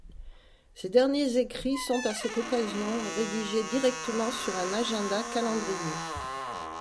Ses derniers écrits sont à cette occasion rédigés directement sur un agenda-calendrier.